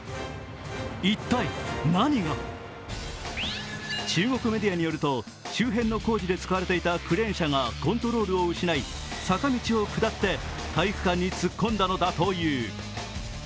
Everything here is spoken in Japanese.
一体、何が中国メディアによると、周辺の工事で使われていたクレーン車がコントロールを失い、坂道を下って体育館に突っ込んだのだという。